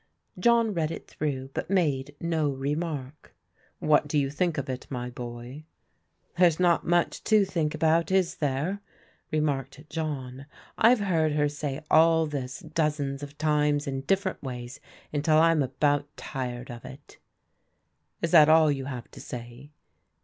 John read it through, but made no remark " What do you think of it, my boy? " "There's not much to think about, is there?" re marked John. " I've heard her say all this dozens of times in different ways until I'm about tired of it." " Is that all you have to say